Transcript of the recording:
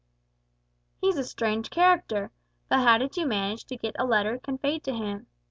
"He's a strange character; but how did you manage to get a letter conveyed to him?"